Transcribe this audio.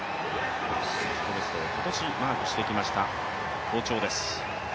自己ベストを今年マークしてきました、好調です。